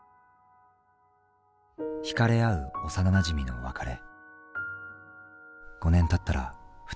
引かれ合う幼なじみの別れ。